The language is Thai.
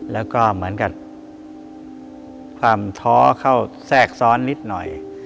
แล้วก็เหมือนกับความท้อเข้าแทรกซ้อนนิดหน่อย